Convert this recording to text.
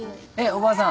おばあさん